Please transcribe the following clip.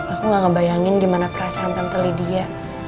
aku gak ngebayangin gimana perasaan tante lydia